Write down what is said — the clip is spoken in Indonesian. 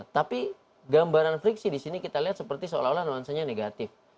tapi gambaran friksi di sini kita lihat seperti seolah olah nuansanya negatif